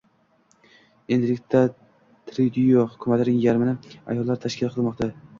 Endilikda Tryudo hukumatining yarmini ayollar tashkil qilmoqda